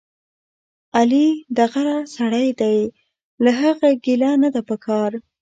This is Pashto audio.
علي دغره سړی دی، له هغه ګیله نه ده پکار.